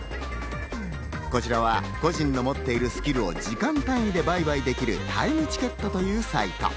こちらは個人の持っているスキルを時間単位で売買できるタイムチケットというサイト。